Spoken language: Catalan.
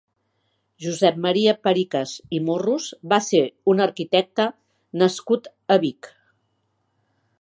Josep Maria Pericas i Morros va ser un arquitecte nascut a Vic.